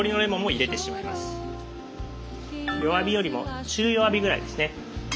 弱火よりも中弱火ぐらいですね。